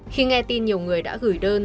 khi nghe tin nhiều người đã gửi đơn